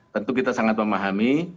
tentu kita sangat memahami